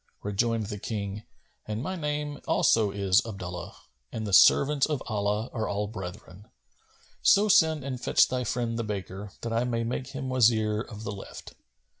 Rejoined the King, "And my name also is Abdullah; and the servants of Allah[FN#253] are all brethren. So send and fetch thy friend the baker, that I may make him my Wazir of the left."